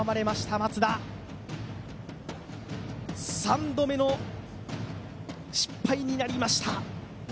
松田３度目の失敗になりました